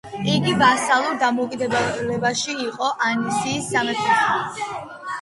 იგი ვასალურ დამოკიდებულებაში იყო ანისის სამეფოსთან.